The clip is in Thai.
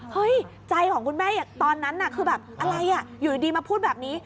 ใจของคุณแม่ตอนนั้นน่ะคือแบบอะไรอยู่ดีมาพูดแบบนี้